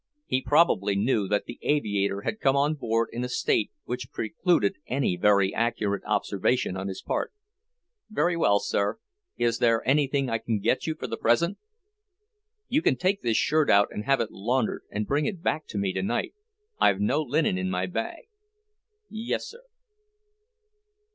He probably knew that the aviator had come on board in a state which precluded any very accurate observation on his part. "Very well, sir. Is there anything I can get you for the present?" "You can take this shirt out and have it laundered and bring it back to me tonight. I've no linen in my bag." "Yes, sir."